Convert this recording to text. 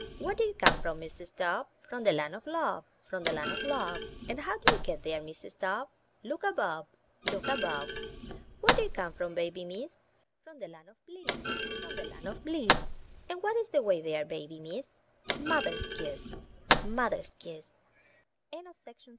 Where do you come from, Mrs. Dove? "From the land of Love, from the land of Love." And how do you get there, Mrs. Dove? "Look above — look above." Where do you come from, Baby Miss? "From the land of Bliss, from the land of Bliss." And what is the way there, Baby Miss? "Mother's kiss — mother's kiss."